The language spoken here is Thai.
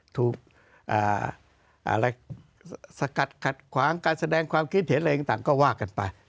ถูกสกัดขัดขวางการแสดงความคิดเห็นอะไรต่างก็ว่ากันไป